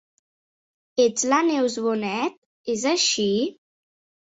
Ets la Neus Bonet, és així?